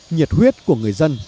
nhiệt huyết của người dân